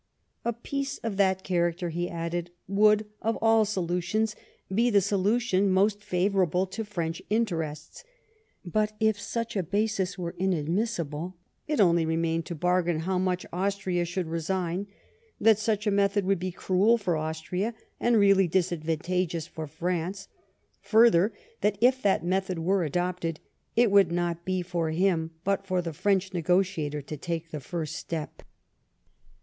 A peace of that character, he added, would of all solutions be the solution most favourable to French interests, but if such a basis were inadmissible, it only remained to bargain how much Austria should resign ; that such a method would be cruel for Austria, and really disadvantageous for France ; further, that if that method were adopted, it would not be for him, but for the French negotiator, to take the first step.